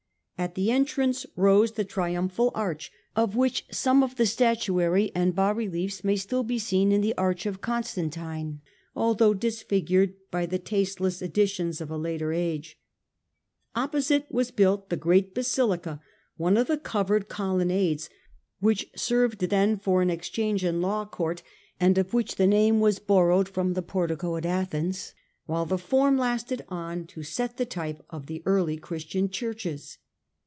At the entrance rose the triumphal arch, of which some of the statuary and bas reliefs may still be seen in the arch of Constantine, although disfigured by the taste less additions of a later age. Opposite was built the great basilica, one of the covered colonnades which served then for an exchange and law court, and of ment of the Dacian victory in Trajan's forum, A. D. 1 13. 97 117 . Trajixn. 37 which the name was borrowed from the portico at Athens, while the form lasted on to set the type of the early Christian churches.